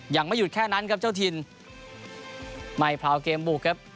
ยังไม่หยุดแค่นั้นครับเจ้าถิ่นไม่พราวเกมบุกครับ